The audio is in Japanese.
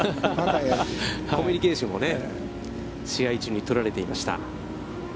コミュニケーションも試合中にとられていました。